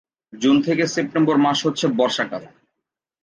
June থেকে September মাস হচ্ছে বর্ষাকাল।